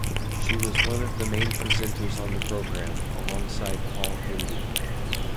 She was one of the main presenters on the programme, alongside Paul Hendy.